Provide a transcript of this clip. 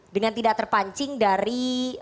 dengan tidak terpancing dari